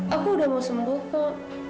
aku udah mau sembuh kok